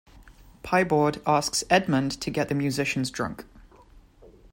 Pieboard asks Edmond to get the musicians drunk.